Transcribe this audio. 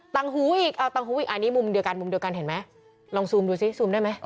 ตังหูอีกอันนี้มุมเดียวกันเห็นไหมลองซูมดูซิซูมได้ไหม